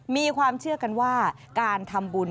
มีความเชื่อกันว่าการทำบุญ